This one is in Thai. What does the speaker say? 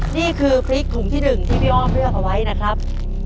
นี่คือพริกถุงที่๑ที่พี่อ้อมเลือกเอาไว้นะครับ